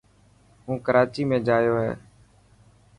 هون ڪراچي ۾ جايو هي.